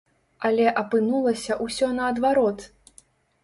Але апынулася ўсё наадварот!